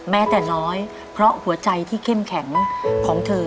แม้แต่น้อยเพราะหัวใจที่เข้มแข็งของเธอ